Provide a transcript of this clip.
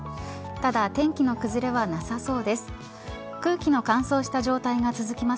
ただ天気の崩れはなさそうです。